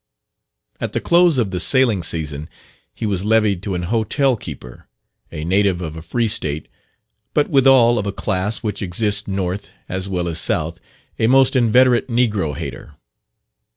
At the close of the sailing season he was levied to an hotel keeper, a native of a free state, but withal of a class which exist north as well as south a most inveterate negro hater.